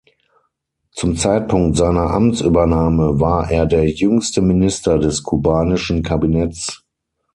Zum Zeitpunkt seiner Amtsübernahme war er der jüngste Minister des kubanischen Kabinetts.